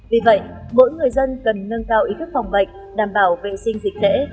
vì vậy mỗi người dân cần nâng cao ý thức phòng bệnh đảm bảo vệ sinh dịch tễ